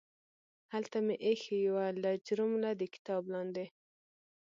هلته مې ایښې یوه لجرمه د کتاب لاندې